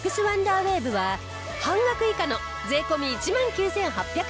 ワンダーウェーブは半額以下の税込１万９８００円。